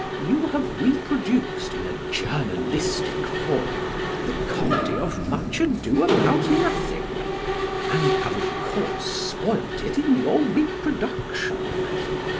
You have reproduced, in a journalistic form, the comedy of "Much Ado about Nothing" and have, of course, spoilt it in your reproduction.